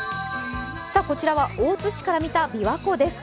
こちらは大津市から見た琵琶湖です。